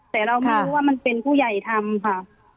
แต่เราไม่รู้ว่ามันเป็นผู้ใหญ่ทำค่ะ